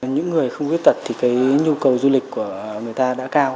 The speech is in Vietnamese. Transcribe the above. những người không khuyết tật thì cái nhu cầu du lịch của người ta đã cao